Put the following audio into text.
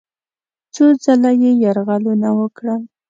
څو ځله یې یرغلونه وکړل.